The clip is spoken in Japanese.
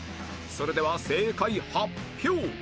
それでは正解発表